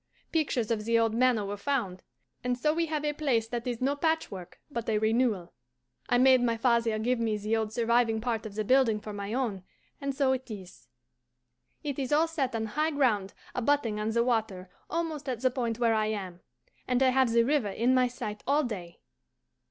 Pictures of the old manor were found, and so we have a place that is no patchwork, but a renewal. I made my father give me the old surviving part of the building for my own, and so it is. It is all set on high ground abutting on the water almost at the point where I am, and I have the river in my sight all day.